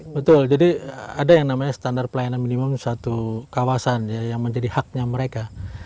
betul jadi ada yang namanya standar pelayanan minimum satu kawasan yang menjadi haknya mereka